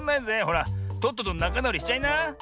ほらとっととなかなおりしちゃいな。